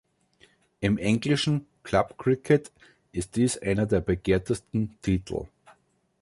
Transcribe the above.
Im englischen Clubcricket ist dies einer der begehrtesten Titel.